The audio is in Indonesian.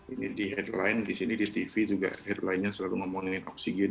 ini di headline di sini di tv juga headline nya selalu ngomongin oksigen